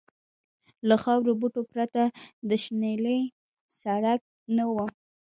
له خارو بوټو پرته د شنیلي څرک نه و.